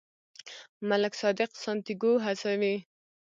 ملک صادق سانتیاګو هڅوي.